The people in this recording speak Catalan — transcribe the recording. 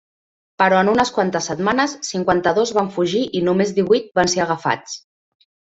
Però en unes quantes setmanes, cinquanta-dos van fugir i només divuit van ser agafats.